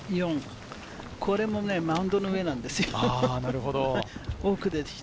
これもマウンドの上なんですよ。